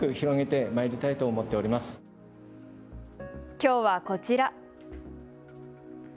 きょうはこちら。